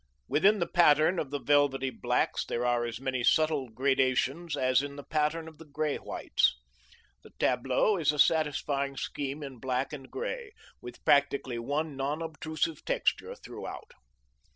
Within the pattern of the velvety blacks there are as many subtle gradations as in the pattern of the gray whites. The tableau is a satisfying scheme in black and gray, with practically one non obtrusive texture throughout.